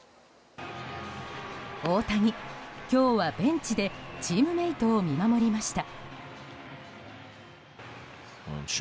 大谷、今日はベンチでチームメートを見守りました。